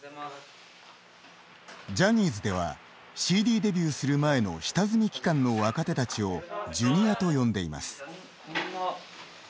ジャニーズではＣＤデビューする前の下積み期間の若手たちをジュニアと呼んでいます。